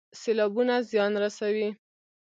سیلابونه زیان رسوي